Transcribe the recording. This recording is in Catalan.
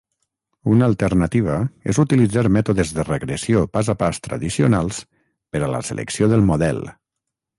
Una alternativa és utilitzar mètodes de regressió pas a pas tradicionals per a la selecció del model.